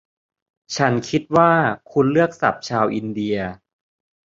ฉันคิดว่าคุณเลือกศัพท์ชาวอินเดีย